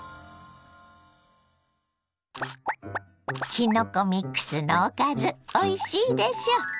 きのこミックスのおかずおいしいでしょ？